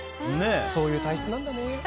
そういう体質なんだね。